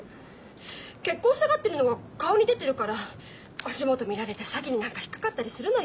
結婚したがってるのが顔に出てるから足元見られて詐欺になんか引っ掛かったりするのよ。